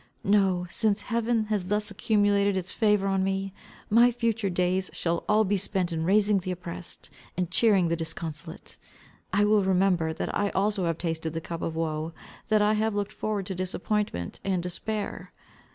No, since heaven has thus accumulated its favours on me, my future days shall all be spent in raising the oppressed, and cheering the disconsolate. I will remember that I also have tasted the cup of woe, that I have looked forward to disappointment and despair.